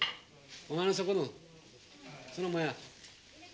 お前のそこのそのもや。